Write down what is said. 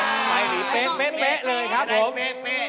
อ้าไปหลีเป๊ะเลยครับผม